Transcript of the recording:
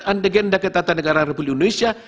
anda gendaki tata negara republik indonesia